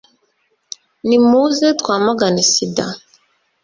nimuze twamagane sida.